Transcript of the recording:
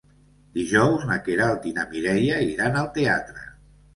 Dijous na Queralt i na Mireia iran al teatre.